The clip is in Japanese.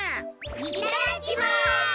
いただきます！